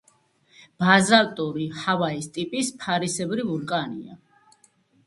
ბაზალტური ჰავაის ტიპის ფარისებრი ვულკანია.